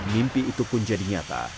mimpi itu pun jadi nyata